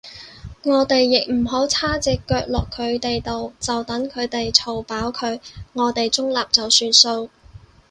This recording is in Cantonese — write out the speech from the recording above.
我哋亦唔好叉隻腳落佢哋度，就等佢哋嘈飽佢，我哋中立就算數